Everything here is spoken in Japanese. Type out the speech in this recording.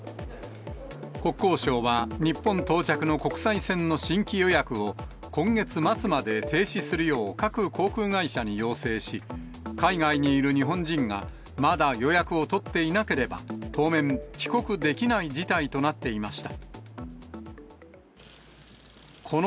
国交省は日本到着の国際線の新規予約を、今月末まで停止するよう、各航空会社に要請し、海外にいる日本人が、まだ予約を取っていなければ、当面、帰国できない事態となっていました。